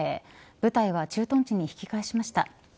部隊は駐屯地に引き返しました。